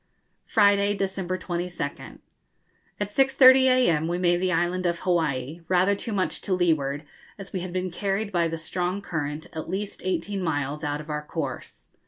Friday, December 22nd. At 6.30 a.m. we made the island of Hawaii, rather too much to leeward, as we had been carried by the strong current at least eighteen miles out of our course.